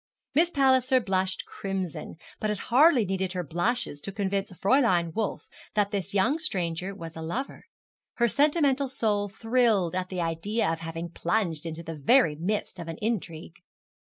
Miss Palliser blushed crimson, but it hardly needed her blushes to convince Fräulein Wolf that this young stranger was a lover. Her sentimental soul thrilled at the idea of having plunged into the very midst of an intrigue.